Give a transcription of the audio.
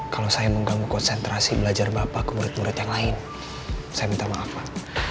kalau saya mengganggu konsentrasi belajar bapak ke murid murid yang lain saya minta maaf pak